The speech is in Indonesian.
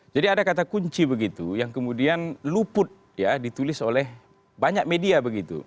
jadi ada kata kunci begitu yang kemudian luput ya ditulis oleh banyak media begitu